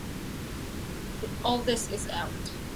All this is out.